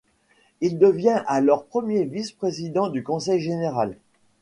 Il devient alors premier vice-président du conseil général.